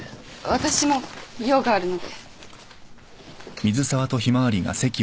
私も用があるので。